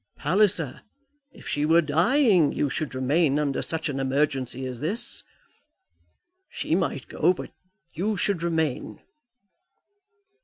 Palliser, if she were dying, you should remain under such an emergency as this. She might go, but you should remain."